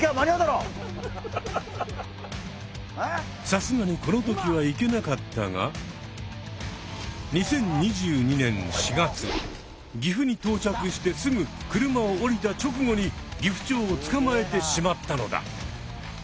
さすがにこの時は行けなかったが２０２２年４月岐阜に到着してすぐ車を降りた直後にギフチョウをつかまえてしまったのだ。